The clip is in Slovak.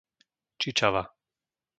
Čičava